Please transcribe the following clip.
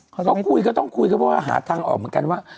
เขาคุยก็ต้องคุยก็เพราะว่าหาทางออกเหมือนกันว่า